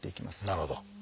なるほど。